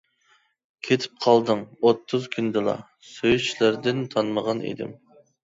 كېتىپ قالدىڭ ئوتتۇز كۈندىلا، سۆيۈشلەردىن تانمىغان ئىدىم.